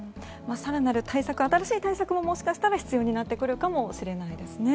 更なる対策新しい対策も、もしかしたら必要になってくるかもしれないですね。